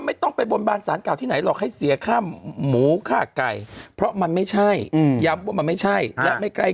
ไม่ต้องไปบนบานสานเก่าที่ไหนหรอกให้เสียค่ะหมูข้าไก่มันไม่ใช่มันไม่ใช่จะไกล